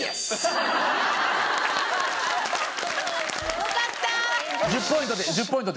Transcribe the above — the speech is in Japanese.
よかったー！